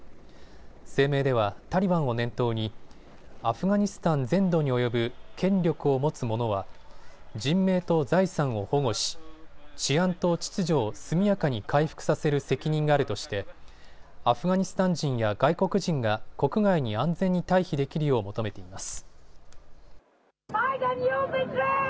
声明ではタリバンを念頭にアフガニスタン全土に及ぶ権力を持つ者は人命と財産を保護し、治安と秩序を速やかに回復させる責任があるとしてアフガニスタン人や外国人が国外に安全に退避できるよう求めています。